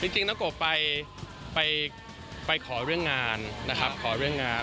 จริงน้าโกไปขอเรื่องงานนะครับขอเรื่องงาน